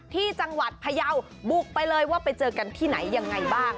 ที่จังหวัดพยาวบุกไปเลยว่าไปเจอกันที่ไหนยังไงบ้าง